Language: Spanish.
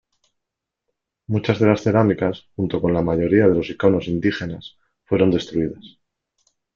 Muchas de las cerámicas, junto con la mayoría de los íconos indígenas, fueron destruidas.